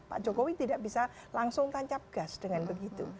pak jokowi tidak bisa langsung tancap gas dengan begitu